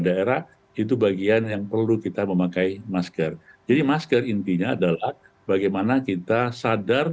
daerah itu bagian yang perlu kita memakai masker jadi masker intinya adalah bagaimana kita sadar